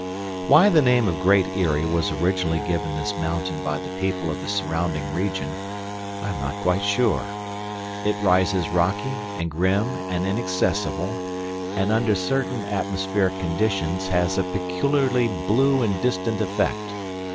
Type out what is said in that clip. Why the name of Great Eyrie was originally given this mountain by the people of the surrounding region, I am not quite sure. It rises rocky and grim and inaccessible, and under certain atmospheric conditions has a peculiarly blue and distant effect.